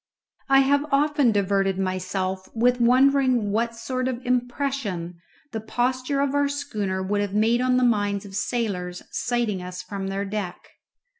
I have often diverted myself with wondering what sort of impression the posture of our schooner would have made on the minds of sailors sighting us from their deck.